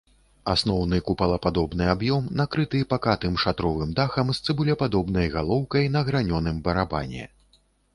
Асноўны кубападобны аб'ём накрыты пакатым шатровым дахам з цыбулепадобнай галоўкай на гранёным барабане.